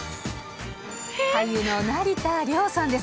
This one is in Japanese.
俳優の成田凌さんです。